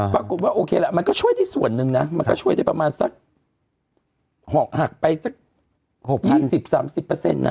ปรากฏว่าโอเคละมันก็ช่วยได้ส่วนหนึ่งนะมันก็ช่วยได้ประมาณสักหอกหักไปสัก๒๐๓๐นะ